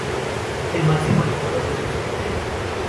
Fue el máximo anotador de su selección.